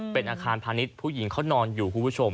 เป็นอาคารพาณิชย์ผู้หญิงเขานอนอยู่